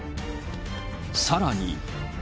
さらに。